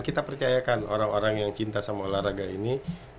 kita percayakan orang orang yang cinta sama olahraga ini